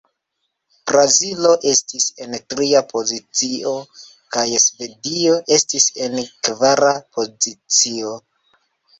Brazilo estis en tria pozicio, kaj Svedio estis en kvara pozicio.